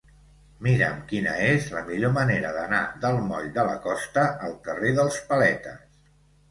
Mira'm quina és la millor manera d'anar del moll de la Costa al carrer dels Paletes.